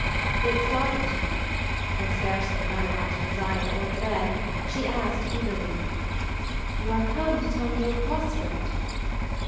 It startled her, and, scarcely knowing what to desire or dread, she asked eagerly, "You are come to tell me you have prospered."